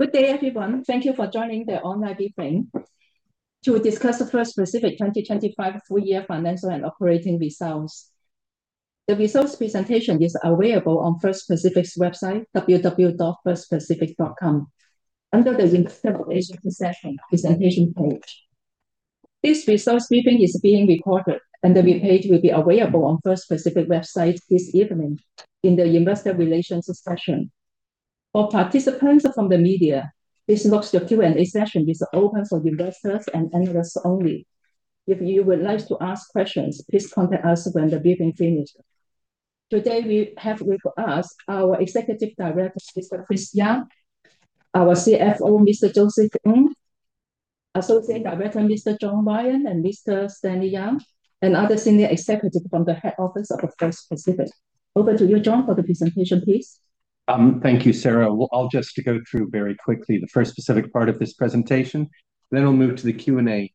Good day everyone. Thank you for joining the online briefing to discuss the First Pacific 2025 Full Year Financial and Operating Results. The results presentation is available on First Pacific's website, www.firstpacific.com, under the Investor Relations presentation page. This results briefing is being recorded and the replay will be available on First Pacific's website this evening in the Investor Relations section. For participants from the media, please note the Q&A session is open for investors and analysts only. If you would like to ask questions, please contact us when the briefing finishes. Today we have with us our Executive Director, Mr. Chris Young, our CFO, Mr. Joseph Ng, Associate Director, Mr. John Ryan, and Mr. Stanley Yang, and other senior executives from the head office of the First Pacific. Over to you, John, for the presentation, please. Thank you, Sara. Well, I'll just go through very quickly the First Pacific part of this presentation, then I'll move to the Q&A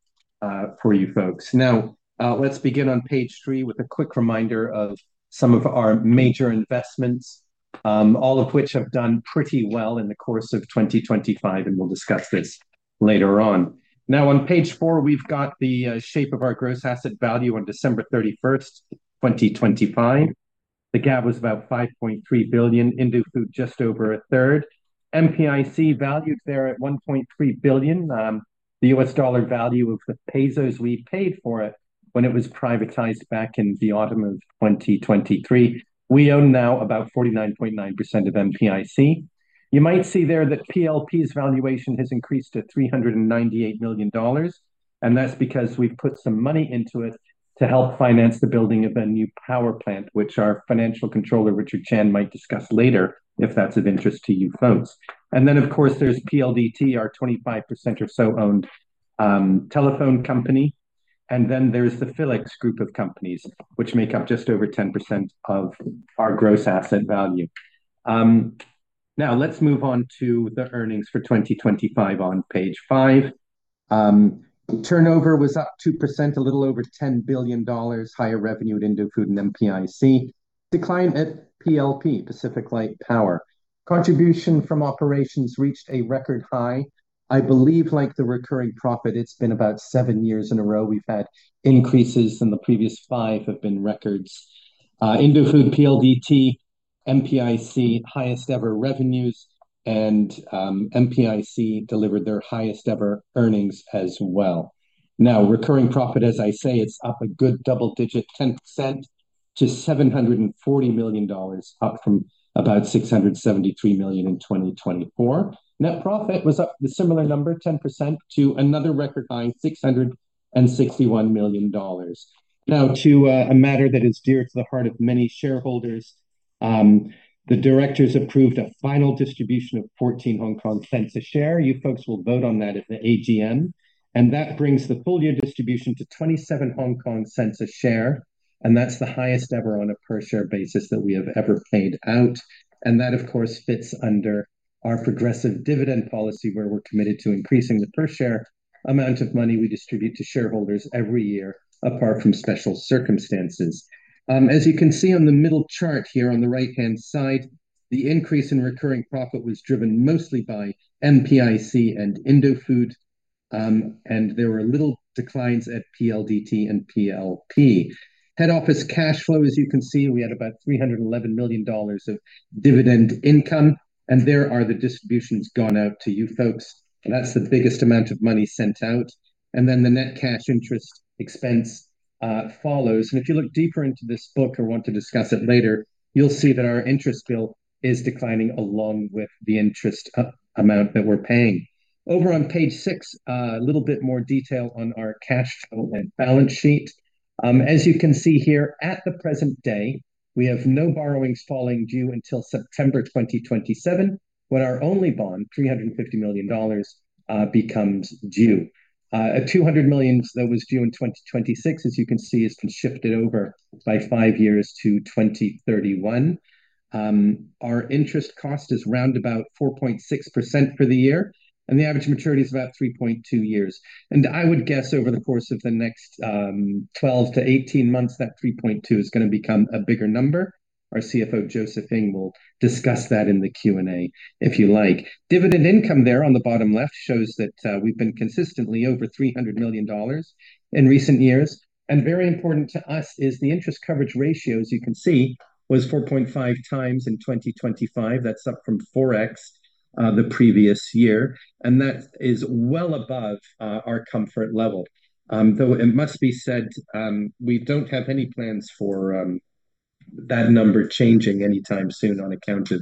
for you folks. Now, let's begin on page three with a quick reminder of some of our major investments, all of which have done pretty well in the course of 2025, and we'll discuss this later on. Now on page four, we've got the shape of our gross asset value on December 31st, 2025. The GAV was about $5.3 billion, Indofood just over 1/3. MPIC valued there at $1.3 billion, the U.S. dollar value of the pesos we paid for it when it was privatized back in the autumn of 2023. We own now about 49.9% of MPIC. You might see there that PLPs valuation has increased to $398 million, and that's because we put some money into it to help finance the building of a new power plant, which our financial controller, Richard Chan, might discuss later if that's of interest to you folks. Of course, there's PLDT, our 25% or so owned telephone company and then there's the Philex Group of companies, which make up just over 10% of our gross asset value. Now let's move on to the earnings for 2025 on page five. Turnover was up 2%, a little over $10 billion. Higher revenue at Indofood and MPIC. Decline at PLP, PacificLight Power. Contribution from operations reached a record high. I believe like the recurring profit, it's been about seven years in a row we've had increases, and the previous five have been records. Indofood, PLDT, MPIC, highest ever revenues, and MPIC delivered their highest ever earnings as well. Now, recurring profit, as I say, it's up a good double digit, 10% to $740 million, up from about $673 million in 2024. Net profit was up the similar number, 10%, to another record high, $661 million. Now to a matter that is dear to the heart of many shareholders, the directors approved a final distribution of HK$0.14 a share. You folks will vote on that at the AGM, and that brings the full year distribution to HK$0.27 a share, and that's the highest ever on a per share basis that we have ever paid ou and that, of course, fits under our progressive dividend policy where we're committed to increasing the per share amount of money we distribute to shareholders every year, apart from special circumstances. As you can see on the middle chart here on the right-hand side, the increase in recurring profit was driven mostly by MPIC and Indofood. There were little declines at PLDT and PLP. Head office cash flow, as you can see, we had about $311 million of dividend income, and there are the distributions going out to you folks and that's the biggest amount of money sent out and then the net cash interest expense follows. If you look deeper into this book or want to discuss it later, you'll see that our interest bill is declining along with the interest, amount that we're paying. Over on page six, a little bit more detail on our cash flow and balance sheet. As you can see here, at the present day, we have no borrowings falling due until September 2027, when our only bond, $350 million, becomes due. A $200 million that was due in 2026, as you can see, has been shifted over by five years to 2031. Our interest cost is round about 4.6% for the year, and the average maturity is about 3.2 years. I would guess over the course of the next 12-18 months, that 3.2 is gonna become a bigger number. Our CFO, Joseph Ng, will discuss that in the Q&A, if you like. Dividend income there on the bottom left shows that we've been consistently over $300 million in recent years and very important to us is the interest coverage ratio, as you can see, was 4.5x in 2025. That's up from 4x the previous year, and that is well above our comfort level. Though it must be said, we don't have any plans for that number changing anytime soon on account of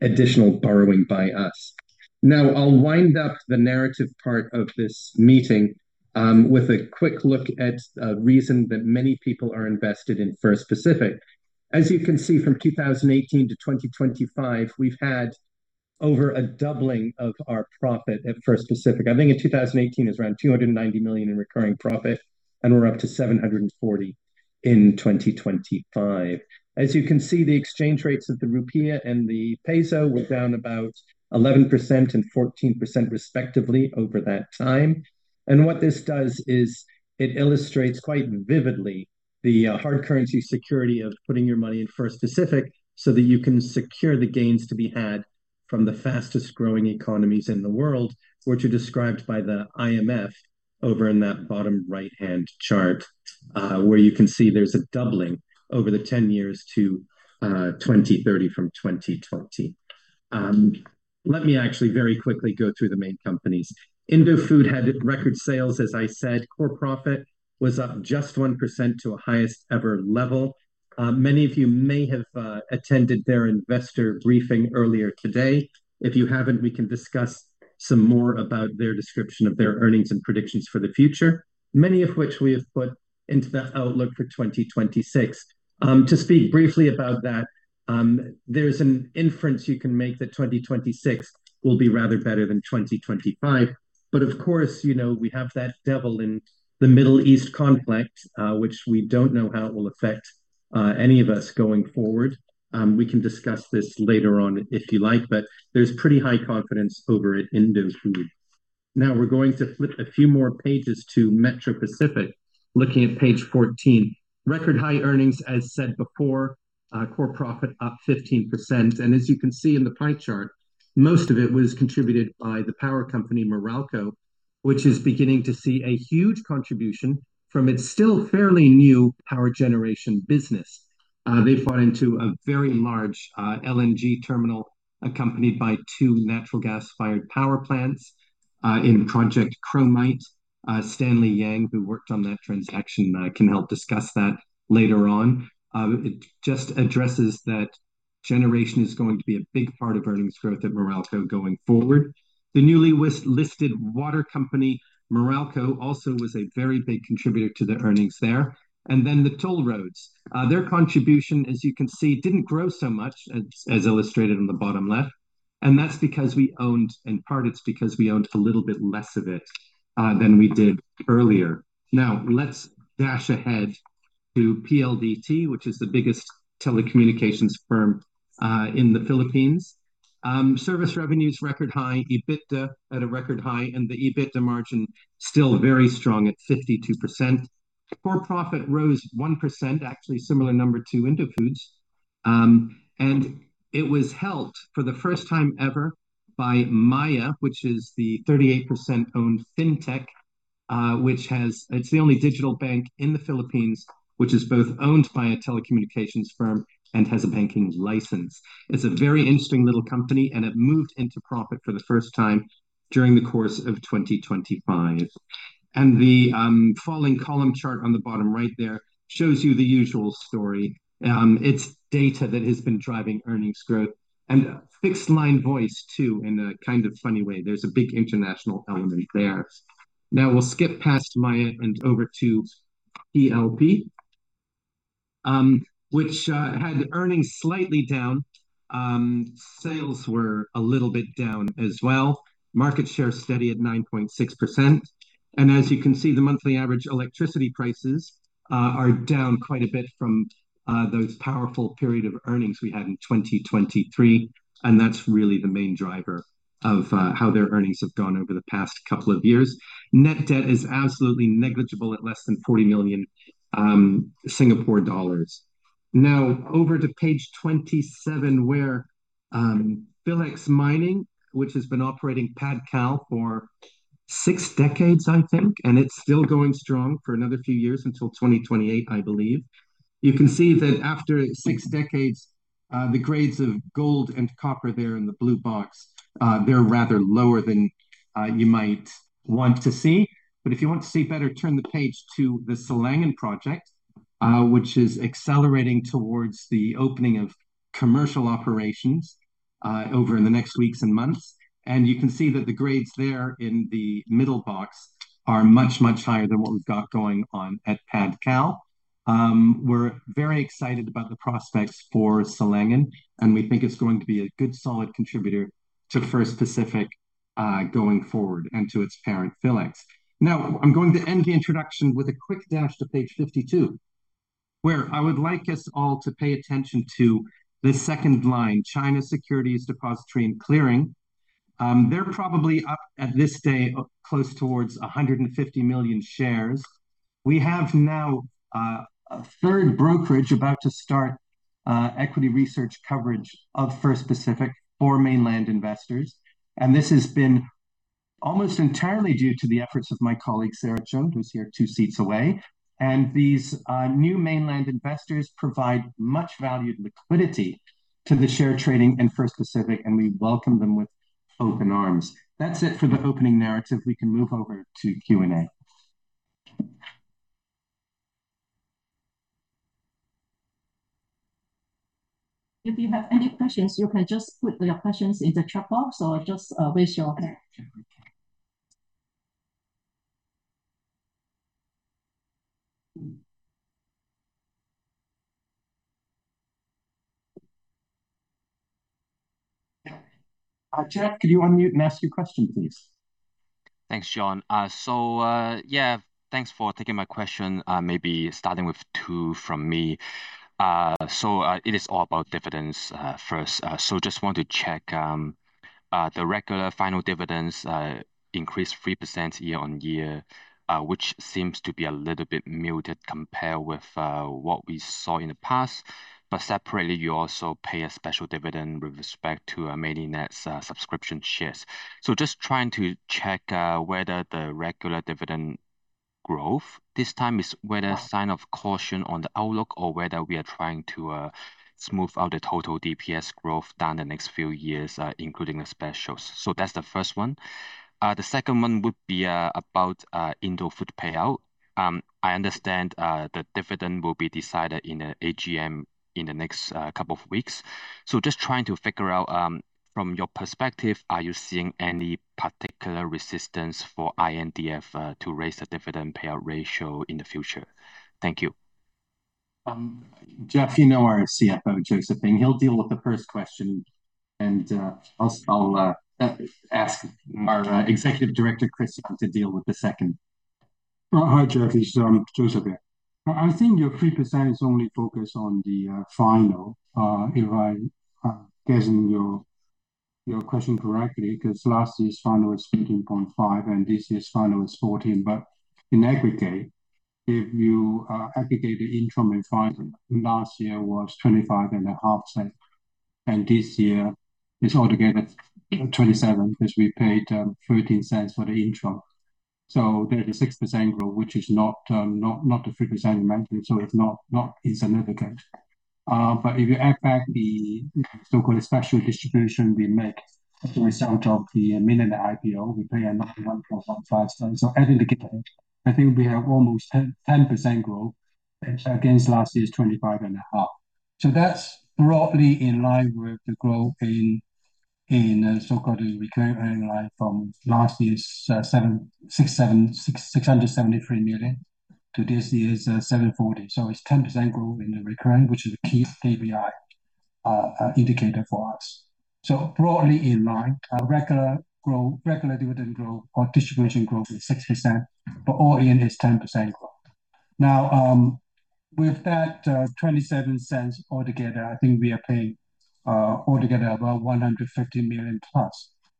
additional borrowing by us. Now, I'll wind up the narrative part of this meeting with a quick look at a reason that many people are invested in First Pacific. As you can see, from 2018-2025, we've had over a doubling of our profit at First Pacific. I think in 2018 it was around $290 million in recurring profit, and we're up to $740 million in 2025. As you can see, the exchange rates of the rupiah and the peso were down about 11% and 14% respectively over that time. What this does is it illustrates quite vividly the hard currency security of putting your money in First Pacific so that you can secure the gains to be had from the fastest growing economies in the world, which are described by the IMF over in that bottom right-hand chart, where you can see there's a doubling over the 10 years to 2030 from 2020. Let me actually very quickly go through the main companies. Indofood had record sales. As I said, core profit was up just 1% to a highest ever level. Many of you may have attended their investor briefing earlier today. If you haven't, we can discuss some more about their description of their earnings and predictions for the future, many of which we have put into the outlook for 2026. To speak briefly about that, there's an inference you can make that 2026 will be rather better than 2025. Of course, you know, we have that devil in the Middle East conflict, which we don't know how it will affect any of us going forward. We can discuss this later on if you like, but there's pretty high confidence over at Indofood. Now we're going to flip a few more pages to Metro Pacific. Looking at page 14, record high earnings, as said before, core profit up 15%. As you can see in the pie chart, most of it was contributed by the power company Meralco, which is beginning to see a huge contribution from its still fairly new power generation business. They bought into a very large LNG terminal accompanied by two natural gas-fired power plants in Project Chromite. Stanley Yang, who worked on that transaction, can help discuss that later on. It just addresses that generation is going to be a big part of earnings growth at Meralco going forward. The newly listed water company, Maynilad, also was a very big contributor to the earnings there and then the toll roads. Their contribution, as you can see, didn't grow so much as illustrated in the bottom left, and that's because, in part, we owned a little bit less of it than we did earlier. Now let's dash ahead to PLDT, which is the biggest telecommunications firm in the Philippines. Service revenues record high, EBITDA at a record high, and the EBITDA margin still very strong at 52%. Core profit rose 1%, actually similar number to Indofood's. It was helped for the first time ever by Maya, which is the 38% owned fintech. It's the only digital bank in the Philippines, which is both owned by a telecommunications firm and has a banking license. It's a very interesting little company, and it moved into profit for the first time during the course of 2025. The following column chart on the bottom right there shows you the usual story. It's data that has been driving earnings growth and fixed line voice too, in a kind of funny way. There's a big international element there. Now we'll skip past Maya and over to PLP, which had earnings slightly down. Sales were a little bit down as well. Market share steady at 9.6%. As you can see, the monthly average electricity prices are down quite a bit from those powerful period of earnings we had in 2023, and that's really the main driver of how their earnings have gone over the past couple of years. Net debt is absolutely negligible at less than HK$40 million. Now over to page 27, where Philex Mining, which has been operating Padcal for six decades, I think, and it's still going strong for another few years until 2028, I believe. You can see that after six decades, the grades of gold and copper there in the blue box, they're rather lower than you might want to see. If you want to see better, turn the page to the Silangan Project, which is accelerating towards the opening of commercial operations over the next weeks and months. You can see that the grades there in the middle box are much, much higher than what we've got going on at Padcal. We're very excited about the prospects for Silangan, and we think it's going to be a good solid contributor to First Pacific, going forward and to its parent, Philex. Now, I'm going to end the introduction with a quick dash to page 52, where I would like us all to pay attention to the second line, China Securities Depository and Clearing. They're probably up at this stage close towards 150 million shares. We have now a third brokerage about to start equity research coverage of First Pacific for mainland investors, and this has been almost entirely due to the efforts of my colleague Sara Cheung, who's here two seats away. These new mainland investors provide much valued liquidity to the share trading in First Pacific, and we welcome them with open arms. That's it for the opening narrative. We can move over to Q&A. If you have any questions, you can just put your questions in the chat box or just raise your hand. Jeff could you unmute and ask your question, please? Thanks, John. Thanks for taking my question. Maybe starting with two from me. It is all about dividends first. Just want to check the regular final dividends increased 3% year-on-year, which seems to be a little bit muted compared with what we saw in the past. Separately, you also pay a special dividend with respect to Maynilad's subscription shares. Just trying to check whether the regular dividend growth this time is a sign of caution on the outlook or whether we are trying to smooth out the total DPS growth over the next few years, including the specials. That's the first one. The second one would be about Indofood payout. I understand the dividend will be decided in the AGM in the next couple of weeks. Just trying to figure out from your perspective, are you seeing any particular resistance for INDF to raise the dividend payout ratio in the future? Thank you. Jeff, you know our CFO, Joseph Ng. He'll deal with the first question, and I'll ask our Executive Director, Chris, to deal with the second. Oh, hi, Jeff. It's Joseph here. I think your 3% is only focused on the final, if I'm guessing your question correctly, 'cause last year's final was HK$0.13.5, and this year's final is HK$0.14. In aggregate, if you aggregate the interim and final, last year was HK$0.255, and this year is altogether HK$0.27 'cause we paid HK$0.13 for the interim. There is a 6% growth, which is not the 3% you mentioned, so it's not insignificant. If you add back the so-called special distribution we make as a result of the Maynilad IPO, we pay another HK$0.115. Adding together, I think we have almost 10% growth against last year's HK0.$255. That's broadly in line with the growth in the so-called recurring line from last year's HK$673 million to this year's HK$740 million. It's 10% growth in the recurring, which is a key KPI indicator for us. Broadly in line. Our regular dividend growth or distribution growth is 6%, but all-in is 10% growth. With that, HK$0.27 altogether, I think we are paying altogether about HK$150 million +,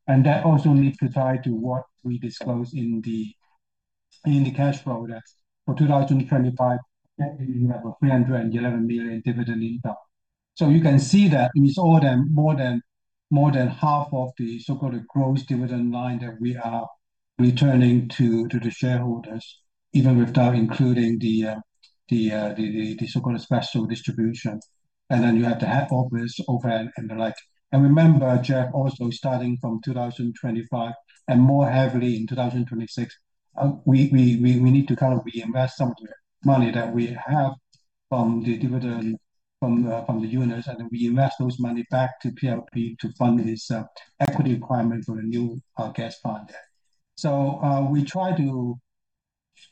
and that also needs to tie to what we disclose in the cash flow. That's for 2025. We have a HK$311 million dividend income. You can see that in its own more than half of the so-called gross dividend line that we are returning to the shareholders, even without including the so-called special distribution. Then you have to add office overhead and the like. Remember, Jeff, also starting from 2025 and more heavily in 2026, we need to kind of reinvest some of the money that we have from the dividend from the units, and then reinvest those money back to PLP to fund this equity requirement for the new gas fund. We try to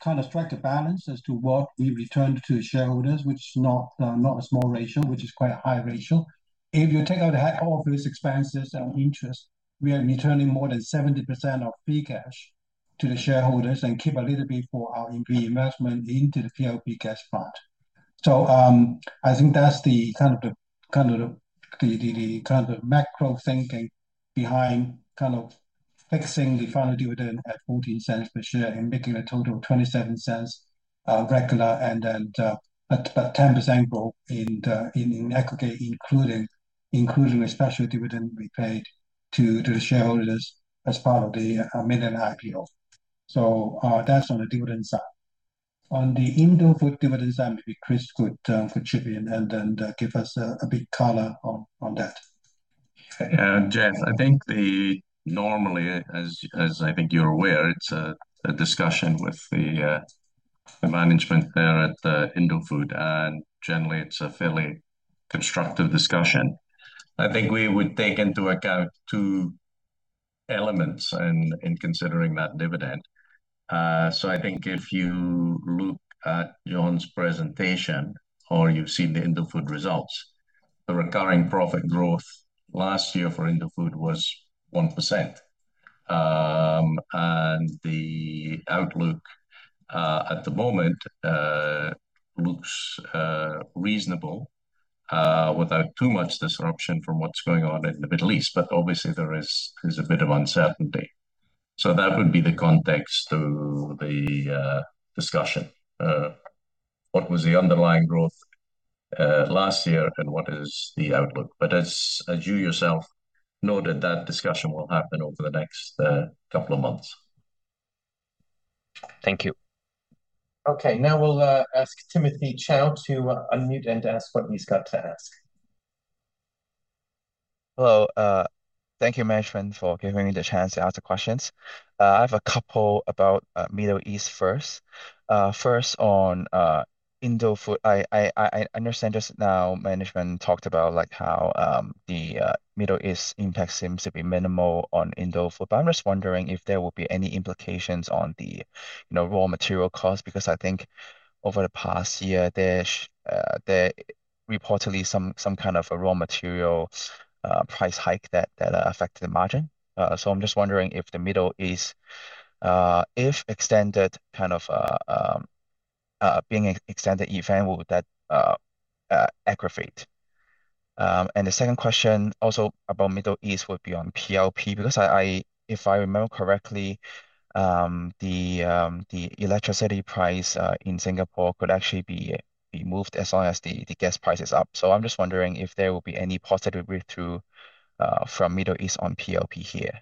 kind of strike a balance as to what we return to shareholders, which is not a small ratio, which is quite a high ratio. If you take out the head office expenses and interest, we are returning more than 70% of free cash to the shareholders and keep a little bit for our re-investment into the PLP gas fund. I think that's the kind of macro thinking behind kind of fixing the final dividend at HK$0.14 per share and making a total of HK$0.27, regular and then at 10% growth in aggregate, including a special dividend we paid to the shareholders as part of the Maynilad IPO. That's on the dividend side. On the Indofood dividend side, maybe Chris could contribute and then give us a bit color on that. Okay. Jeff, I think normally as I think you're aware, it's a discussion with the management there at Indofood, and generally it's a fairly constructive discussion. I think we would take into account two elements in considering that dividend. I think if you look at John's presentation, or you've seen the Indofood results, the recurring profit growth last year for Indofood was 1%. The outlook at the moment looks reasonable without too much disruption from what's going on in the Middle East, but obviously there is a bit of uncertainty. That would be the context to the discussion. What was the underlying growth last year, and what is the outlook? As you yourself noted, that discussion will happen over the next couple of months. Thank you. Okay. Now we'll ask Timothy Chow to unmute and ask what he's got to ask. Hello. Thank you management for giving me the chance to ask the questions. I have a couple about Middle East first. First on Indofood, I understand just now management talked about, like, how the Middle East impact seems to be minimal on Indofood, but I'm just wondering if there will be any implications on the, you know, raw material cost, because I think over the past year, there's reportedly some kind of a raw material price hike that affected the margin. So I'm just wondering if the Middle East, if extended kind of being an extended event, would that aggravate. The second question also about Middle East would be on PLP because I... If I remember correctly, the electricity price in Singapore could actually be moved as long as the gas price is up. I'm just wondering if there will be any positive read-through from Middle East on PLP here.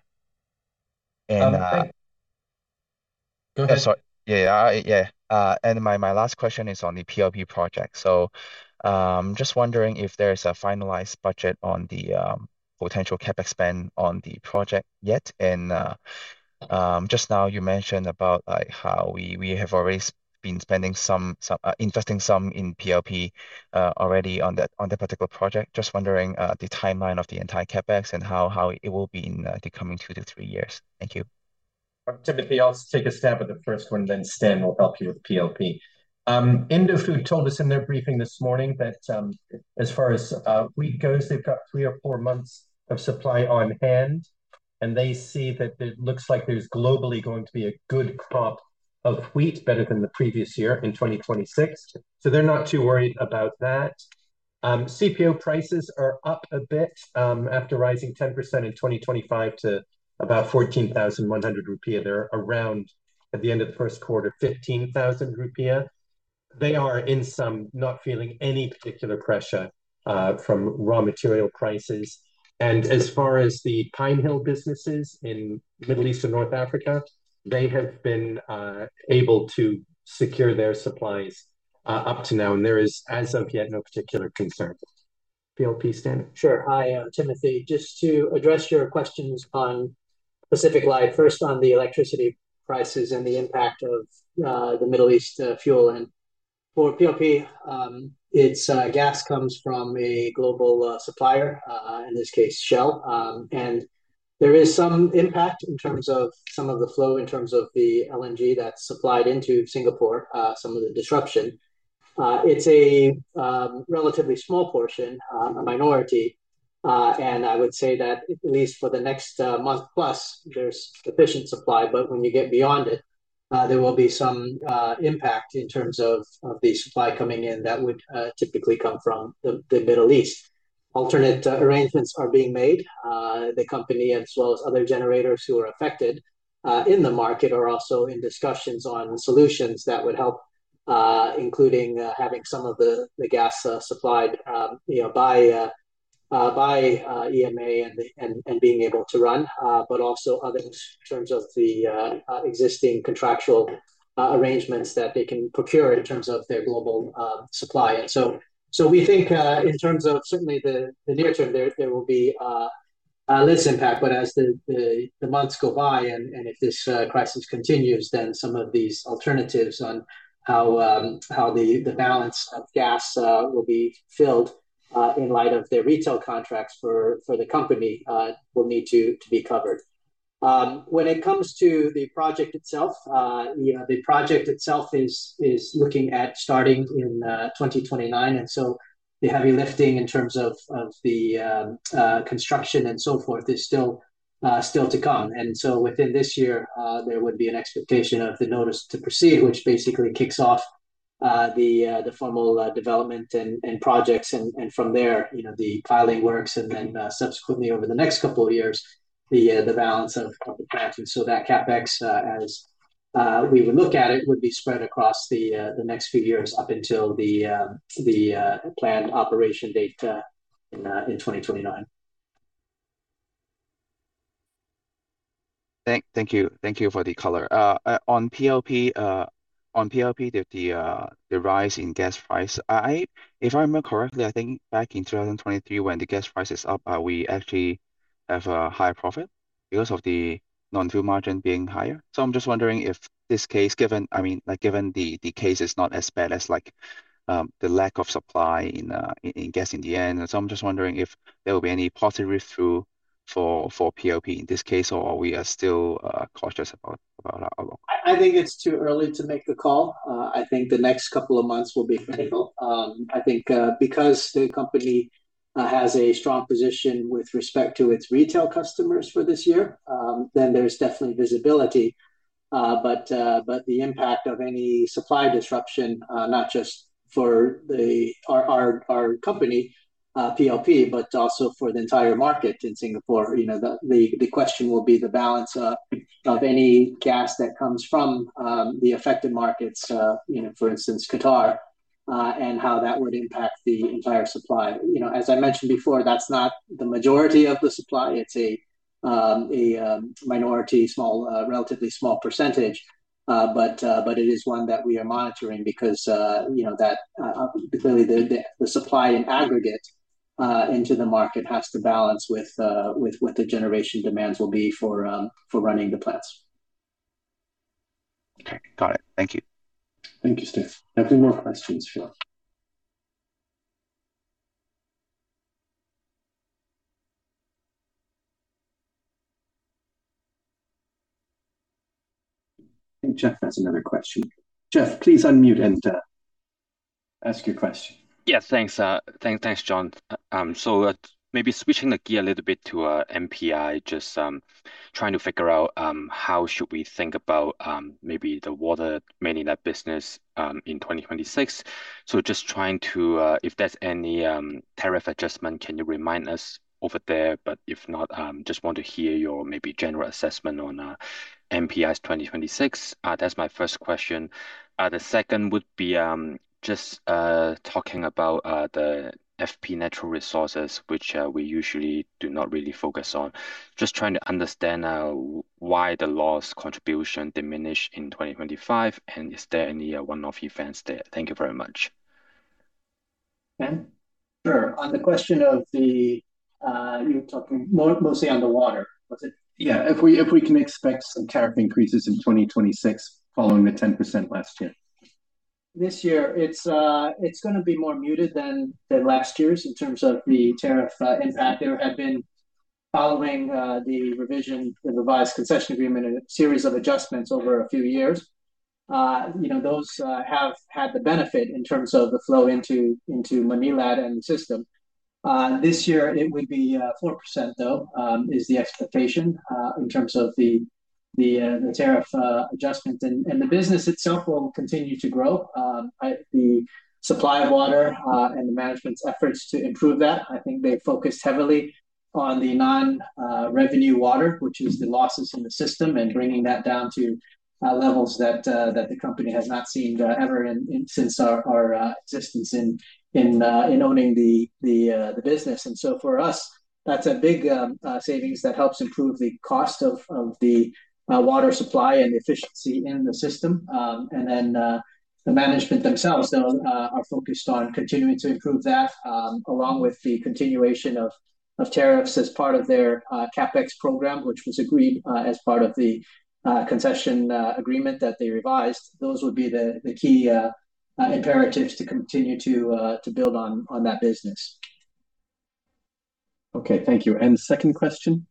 Go ahead. Sorry. Yeah, yeah. Yeah. My last question is on the PLP project. Just wondering if there is a finalized budget on the potential CapEx spend on the project yet. Just now you mentioned about, like, how we have already been investing some in PLP already on that particular project. Just wondering the timeline of the entire CapEx and how it will be in the coming two to three years. Thank you. Timothy, I'll take a stab at the first one, then Stan will help you with PLP. Indofood told us in their briefing this morning that, as far as wheat goes, they've got three or four months of supply on hand, and they see that it looks like there's globally going to be a good crop of wheat better than the previous year in 2026. They're not too worried about that. CPO prices are up a bit, after rising 10% in 2025 to about 14,100 rupiah. They're around IDR 15,000 at the end of the first quarter. They are not feeling any particular pressure from raw material prices. As far as the PineHill businesses in Middle East and North Africa, they have been able to secure their supplies up to now, and there is as of yet no particular concern. PLP, Stan. Sure. Hi, Timothy. Just to address your questions on PacificLight, first on the electricity prices and the impact of the Middle East fuel oil. For PLP, its gas comes from a global supplier, in this case Shell. There is some impact in terms of some of the flow in terms of the LNG that's supplied into Singapore, some of the disruption. It's a relatively small portion, a minority. I would say that at least for the next month plus there's sufficient supply. When you get beyond it, there will be some impact in terms of the supply coming in that would typically come from the Middle East. Alternate arrangements are being made. The company as well as other generators who are affected in the market are also in discussions on solutions that would help, including having some of the gas supplied, you know, by EMA and being able to run, but also other in terms of the existing contractual arrangements that they can procure in terms of their global supply. We think in terms of certainly the near term there will be less impact. As the months go by and if this crisis continues, then some of these alternatives on how the balance of gas will be filled in light of their retail contracts for the company will need to be covered. When it comes to the project itself, you know, the project itself is looking at starting in 2029, and so the heavy lifting in terms of the construction and so forth is still to come. Within this year, there would be an expectation of the notice to proceed, which basically kicks off the formal development and projects. From there, you know, the piling works and then subsequently over the next couple of years the balance of the contracts. That CapEx, as we would look at it, would be spread across the next few years up until the planned operation date in 2029. Thank you for the color. On PLP, the rise in gas price, if I remember correctly, I think back in 2023 when the gas price is up, we actually have a higher profit because of the non-fuel margin being higher. I'm just wondering if this case, given, I mean, like, given the case is not as bad as like the lack of supply in gas in the end. I'm just wondering if there will be any positive read-through for PLP in this case or are we still cautious about our- I think it's too early to make the call. I think the next couple of months will be critical. I think because the company has a strong position with respect to its retail customers for this year, then there's definitely visibility. But the impact of any supply disruption, not just for our company, PLP, but also for the entire market in Singapore, you know, the question will be the balance of any gas that comes from the affected markets, you know, for instance, Qatar, and how that would impact the entire supply. You know, as I mentioned before, that's not the majority of the supply. It's a minority, small, relatively small percentage. It is one that we are monitoring because you know that clearly the supply in aggregate into the market has to balance with what the generation demands will be for running the plants. Okay. Got it. Thank you. Thank you, Stan. Any more questions? I think Jeff has another question. Jeff, please unmute and ask your question. Yeah, thanks. Thanks, John. Maybe switching gears a little bit to MPIC, just trying to figure out how should we think about maybe the Maynilad Water business in 2026. If there's any tariff adjustment, can you remind us over there? But if not, just want to hear your maybe general assessment on MPIC's 2026. That's my first question. The second would be just talking about the FP Natural Resources, which we usually do not really focus on. Just trying to understand why the loss contribution diminished in 2025, and is there any one-off events there? Thank you very much. Stan? Sure. On the question of the, you're talking mostly on the water, was it? Yeah. If we can expect some tariff increases in 2026 following the 10% last year. This year it's gonna be more muted than last year's in terms of the tariff impact. There have been, following the revision, the revised concession agreement, a series of adjustments over a few years. You know, those have had the benefit in terms of the flow into Maynilad and the system. This year it would be 4% though is the expectation in terms of the tariff adjustment. The business itself will continue to grow and the supply of water and the management's efforts to improve that, I think they focused heavily on the non-revenue water, which is the losses in the system, and bringing that down to levels that the company has not seen ever since our existence in owning the business. For us, that's a big savings that helps improve the cost of the water supply and efficiency in the system. The management themselves are focused on continuing to improve that along with the continuation of tariffs as part of their CapEx program, which was agreed as part of the concession agreement that they revised. Those would be the key imperatives to continue to build on that business. Okay, thank you. The second question?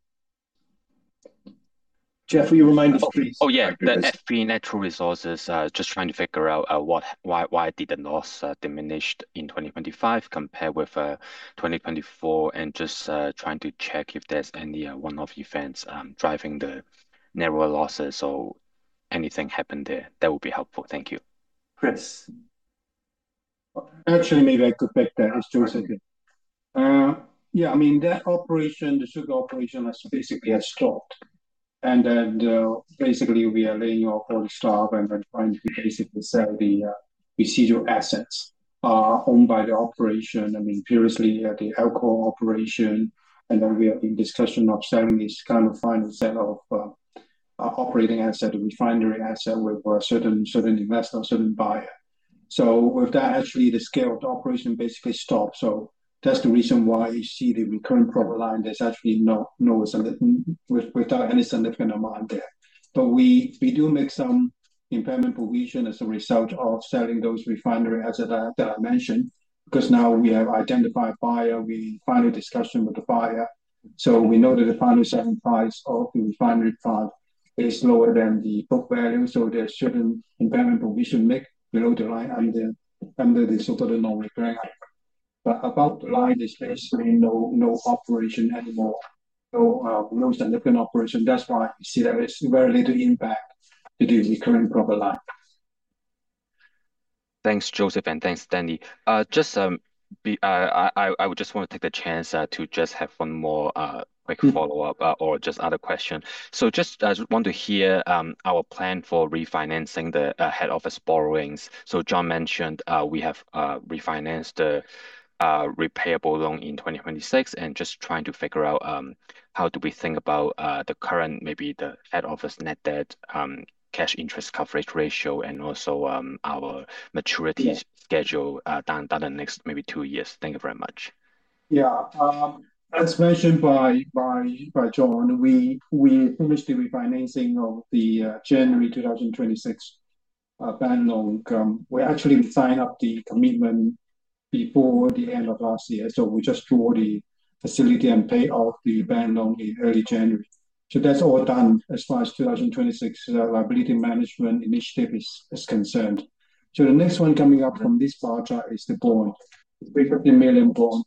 Jeff, will you remind us please? Oh, yeah. The FP Natural Resources, just trying to figure out why did the loss diminished in 2025 compared with 2024? Just trying to check if there's any one-off events driving the narrower losses or anything happened there. That would be helpful. Thank you. Chris. Actually, maybe I could take that. It's Joseph Ng. Yeah, I mean, that operation, the sugar operation has basically stopped. We are laying off all the staff and we're trying to sell the residual assets owned by the operation. I mean, previously we had the alcohol operation, and we are in discussion of selling this kind of final set of operating asset, a refinery asset with a certain investor, certain buyer. With that, actually the scale of the operation basically stopped. That's the reason why you see the recurring profit line. There's actually no significant amount there. We do make some impairment provision as a result of selling those refinery assets that I mentioned, because now we have identified buyer. We in final discussion with the buyer. We know that the final selling price of the refinery part is lower than the book value, so there are certain impairment provisions made below the line under the sort of the non-recurring. But above the line, there's basically no operation anymore. No significant operation. That's why you see that it's very little impact to the recurring profit line. Thanks, Joseph, and thanks, Stanley. I would just want to take the chance to just have one more quick follow-up or just other question. Just want to hear our plan for refinancing the head office borrowings. John mentioned we have refinanced the repayable loan in 2026, and just trying to figure out how do we think about the current, maybe the head office net debt, cash interest coverage ratio and also our maturity schedule down the next maybe two years. Thank you very much. Yeah. As mentioned by John, we finished the refinancing of the January 2026 bond loan. We actually signed the commitment before the end of last year. We just draw the facility and pay off the bond loan in early January. That's all done as far as 2026 liability management initiative is concerned. The next one coming up from this bar chart is the $350 million bond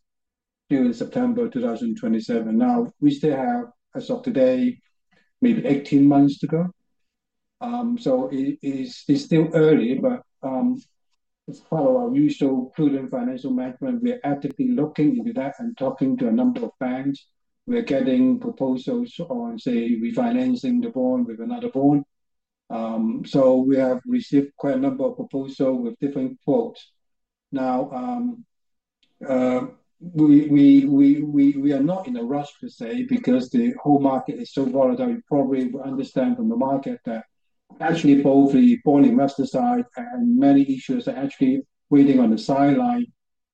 due in September 2027. Now, we still have, as of today, maybe 18 months to go. It is still early, but as per our usual prudent financial management, we are actively looking into that and talking to a number of banks. We're getting proposals on, say, refinancing the bond with another bond. We have received quite a number of proposals with different quotes. We are not in a rush to say because the whole market is so volatile. You probably understand from the market that actually both the bond investor side and many issuers are actually waiting on the sidelines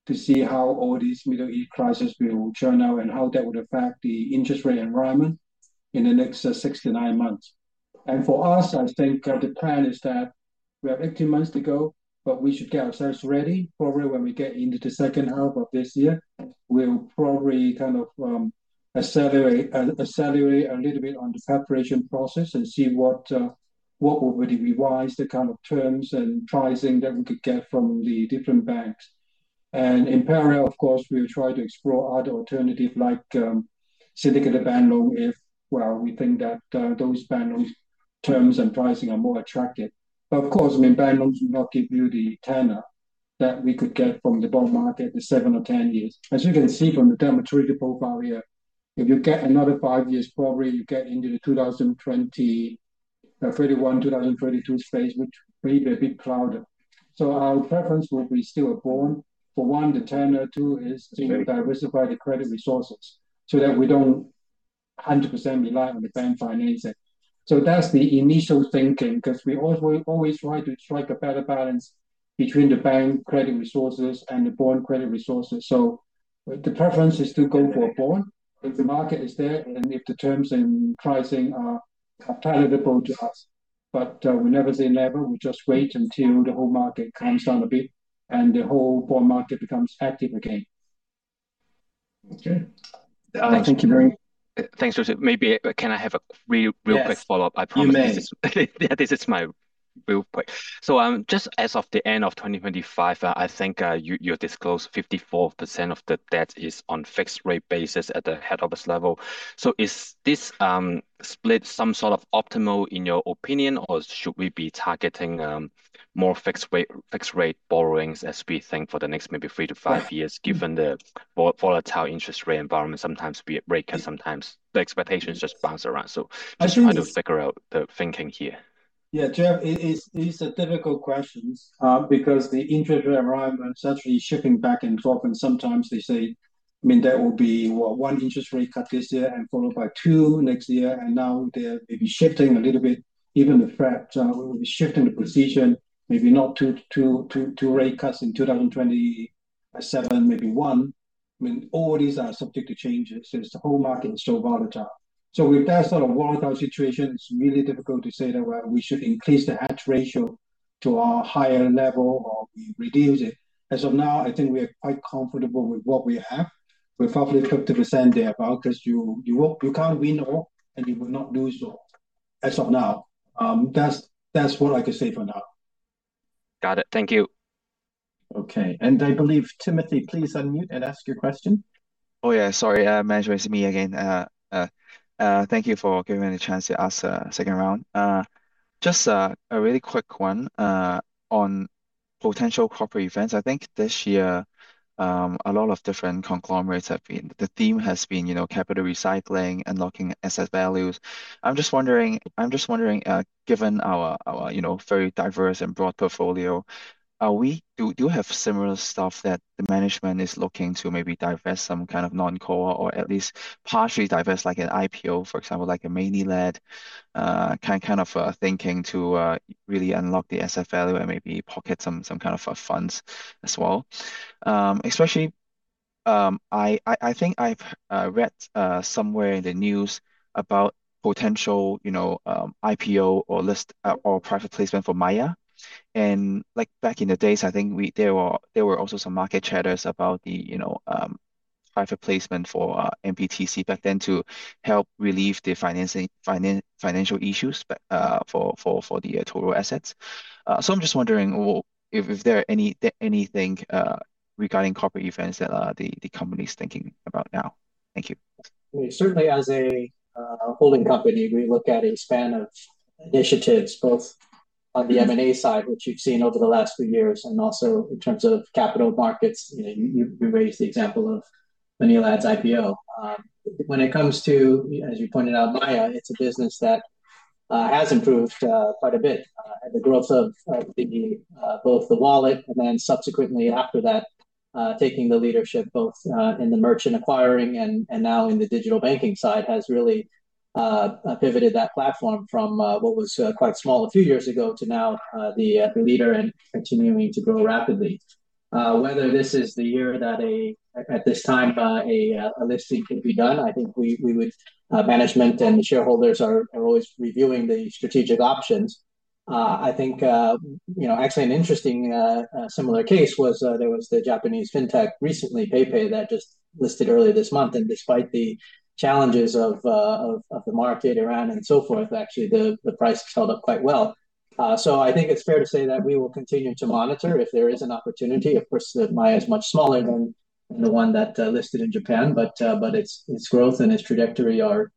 to see how all these Middle East crises will turn out and how that would affect the interest rate environment in the next six- to nine months. For us, I think the plan is that we have 18 months to go, but we should get ourselves ready. Probably when we get into the second half of this year, we'll probably kind of accelerate a little bit on the preparation process and see what What would really be wise is the kind of terms and pricing that we could get from the different banks. In parallel, of course, we will try to explore other alternative, like, syndicated bank loan if, well, we think that those bank loans terms and pricing are more attractive. Of course, I mean, bank loans will not give you the tenor that we could get from the bond market, the seven or 10 years. As you can see from the term to maturity bond barrier, if you get another 5 years probably you get into the 2031/2032 space, which may be a bit crowded. Our preference would be still a bond for one, the tenor, two is to diversify the credit resources so that we don't 100% rely on the bank financing. That's the initial thinking, 'cause we always try to strike a better balance between the bank credit resources and the bond credit resources. The preference is to go for a bond if the market is there, and if the terms and pricing are palatable to us. We never say never, we just wait until the whole market calms down a bit and the whole bond market becomes active again. Okay. Thank you very- Thanks, Joseph. Maybe can I have a real quick follow-up? Yes, you may. Just as of the end of 2025, I think you disclosed 54% of the debt is on fixed rate basis at the head office level. Is this split some sort of optimal in your opinion? Or should we be targeting more fixed rate borrowings as we think for the next maybe three to five years? Right. Given the volatile interest rate environment sometimes be a rate cut, sometimes the expectations just bounce around. Actually this- Just trying to figure out the thinking here. ...Yeah, Jeff it is. These are difficult questions because the interest rate environment is actually shifting back and forth, and sometimes they say, I mean, there will be one interest rate cut this year and followed by two next year, and now they're maybe shifting a little bit. Even the Fed will be shifting the position maybe not to rate cuts in 2027, maybe one. I mean, all these are subject to changes since the whole market is so volatile. With that sort of volatile situation, it's really difficult to say that, well, we should increase the hedge ratio to a higher level or we reduce it. As of now, I think we are quite comfortable with what we have. We're probably 50% thereabout, 'cause you can't win all and you will not lose it all. As of now, that's what I could say for now. Got it. Thank you. Okay. I believe, Timothy, please unmute and ask your question. Oh yeah, sorry, manager, it's me again. Thank you for giving me the chance to ask a second round. Just a really quick one on potential corporate events. I think this year the theme has been, you know, capital recycling, unlocking asset values. I'm just wondering, given our you know very diverse and broad portfolio, do you have similar stuff that the management is looking to maybe divest some kind of non-core or at least partially divest like an IPO, for example, like a Maynilad kind of thinking to really unlock the asset value and maybe pocket some kind of funds as well? Especially, I think I've read somewhere in the news about potential, you know, IPO or listing or private placement for Maya. Like back in the days, I think there were also some market chatter about the, you know, private placement for MPTC back then to help relieve the financing, financial issues for the total assets. I'm just wondering if there is anything regarding corporate events that the company's thinking about now. Thank you. Certainly as a holding company, we look at a span of initiatives, both on the M&A side, which you've seen over the last few years, and also in terms of capital markets. You know, you raised the example of Maynilad IPO. When it comes to, as you pointed out, Maya, it's a business that has improved quite a bit. The growth of both the wallet and then subsequently after that, taking the leadership both in the merchant acquiring and now in the digital banking side has really pivoted that platform from what was quite small a few years ago to now the leader and continuing to grow rapidly. Whether this is the year that at this time a listing can be done, I think we would management and shareholders are always reviewing the strategic options. I think, you know, actually an interesting similar case was there was the Japanese fintech recently, PayPay, that just listed earlier this month. Despite the challenges of the market around and so forth, actually the price has held up quite well. I think it's fair to say that we will continue to monitor if there is an opportunity. Of course, Maya is much smaller than the one that listed in Japan, but its growth and its trajectory are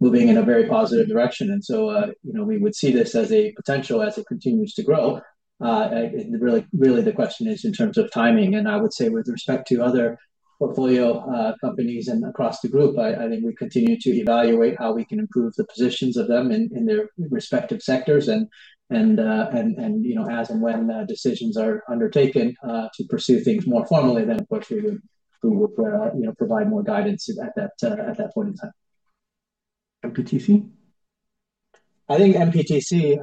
moving in a very positive direction. You know, we would see this as a potential as it continues to grow. Really, the question is in terms of timing, and I would say with respect to other portfolio companies and across the group, I think we continue to evaluate how we can improve the positions of them in their respective sectors and, you know, as and when decisions are undertaken to pursue things more formally then of course we would, you know, provide more guidance at that point in time. MPTC? I think MPTC,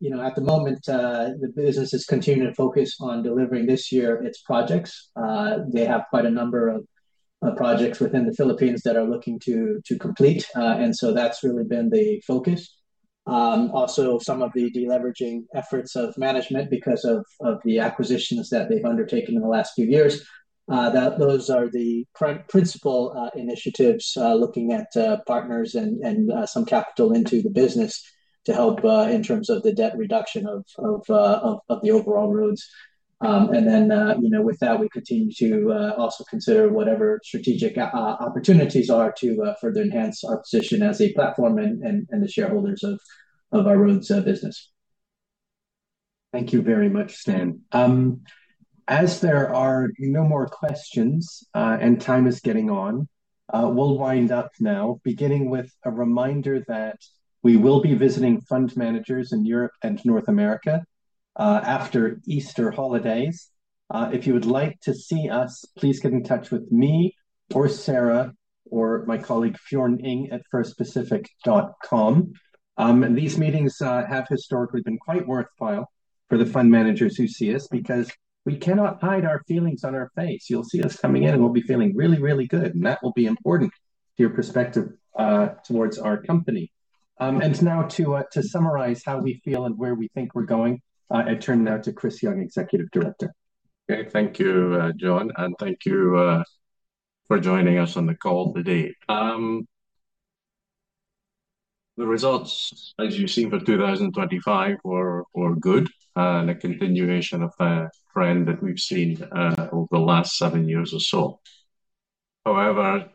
you know, at the moment, the business is continuing to focus on delivering this year its projects. They have quite a number of projects within the Philippines that are looking to complete. That's really been the focus. Also some of the de-leveraging efforts of management because of the acquisitions that they've undertaken in the last few years. Those are the principal initiatives looking at partners and some capital into the business to help in terms of the debt reduction of the overall roads. With that, we continue to also consider whatever strategic opportunities are to further enhance our position as a platform and the shareholders of our roads business. Thank you very much, Stan. As there are no more questions, and time is getting on, we'll wind up now, beginning with a reminder that we will be visiting fund managers in Europe and North America, after Easter holidays. If you would like to see us, please get in touch with me or Sara or my colleague, jryan@firstpacific.com. These meetings have historically been quite worthwhile for the fund managers who see us because we cannot hide our feelings on our face. You'll see us coming in and we'll be feeling really, really good, and that will be important to your perspective towards our company. Now to summarize how we feel and where we think we're going, I turn now to Chris Young, Executive Director. Okay. Thank you, John, and thank you for joining us on the call today. The results, as you've seen for 2025 were good, and a continuation of a trend that we've seen over the last seven years or so. However,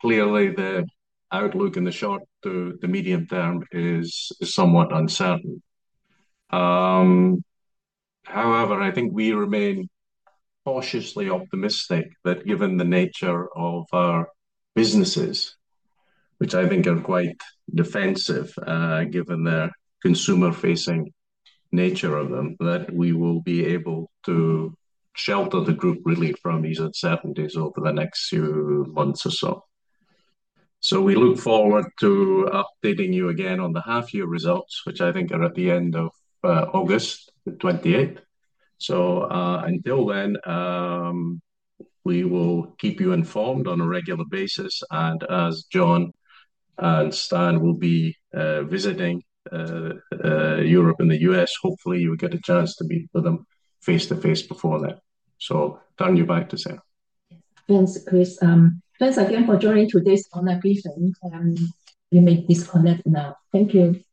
clearly the outlook in the short to the medium term is somewhat uncertain. However, I think we remain cautiously optimistic that given the nature of our businesses, which I think are quite defensive, given their consumer-facing nature of them, that we will be able to shelter the group really from these uncertainties over the next few months or so. We look forward to updating you again on the half-year results, which I think are at the end of August 28. Until then, we will keep you informed on a regular basis, and as John and Stan will be visiting Europe and the U.S., hopefully you will get a chance to meet with them face-to-face before then. Turn it back toSara. Yes. Thanks, Chris. Thanks again for joining today's owner brief. You may disconnect now. Thank you.